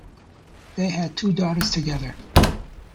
They had two daughters together.